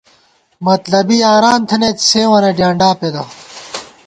مطلبی یاران تھنَئیت، سیوں وَنہ ڈیانڈا پېدہ